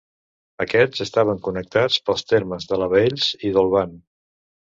Aquests estaven connectats pels termes de la Baells i d'Olvan.